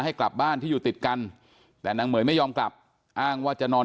ให้กลับบ้านที่อยู่ติดกันแต่นางเหม๋ยไม่ยอมกลับอ้างว่าจะนอน